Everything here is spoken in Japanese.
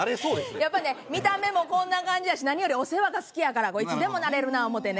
やっぱりね見た目もこんな感じやし何よりお世話が好きやからいつでもなれるな思てね。